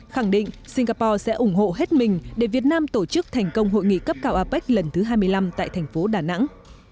khẳng định singapore sẽ ủng hộ hết mình để việt nam tổ chức thành công hội nghị cấp cao apec lần thứ hai mươi năm tại thành phố đà nẵng